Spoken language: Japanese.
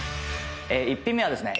１品目はですね。